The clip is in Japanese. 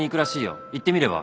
行ってみれば？